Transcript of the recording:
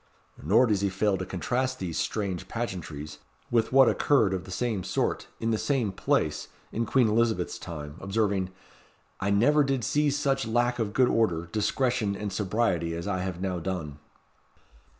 Nor does he fail to contrast these "strange pageantries" with what occurred of the same sort, in the same place, in Queen Elizabeth's time, observing, "I never did see such lack of good order, discretion, and sobriety as I have now done."